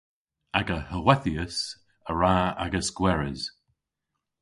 Aga howethyas a wra agas gweres.